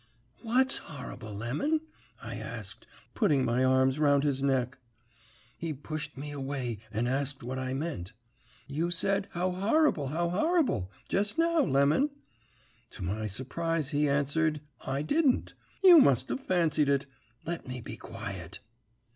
"'What's horrible. Lemon?' I asked, putting my arms round his neck. "He pushed me away and asked what I meant. "'You said "How horrible, how horrible!" jest now, Lemon.' "To my surprise, he answered 'I didn't. You must have fancied it. Let me be quiet.'